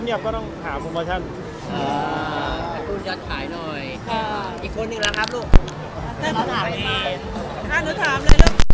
ส่วนใหญ่ก็เป็นโปรโมชั่นเลยมากกว่าครับ